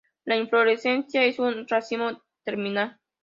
La inflorescencia es un racimo terminal.